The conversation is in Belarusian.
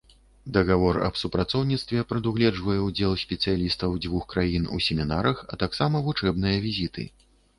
Дагавор аб супрацоўніцтве прадугледжвае ўдзел спецыялістаў дзвюх краін у семінарах, а таксама вучэбныя візіты.